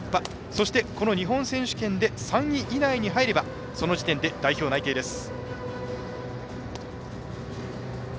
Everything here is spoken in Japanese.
そして、この日本選手権で３位以内に入ればその時点で代表内定です。